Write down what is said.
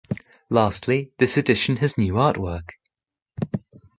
Lastly, this edition has new artwork.